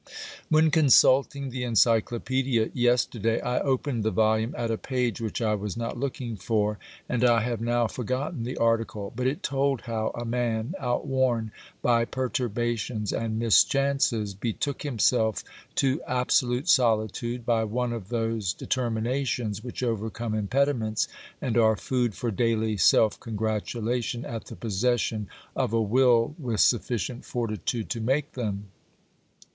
When consulting the Encyclopaedia yesterday, I opened the volume at a page which I was not looking for, and I have now forgotten the article, but it told how a man, outworn by perturbations and mischances, betook himself to absolute soHtude by one of those determina tions which overcome impediments, and are food for daily self congratulation at the possession of a will with sufficient fortitude to make them.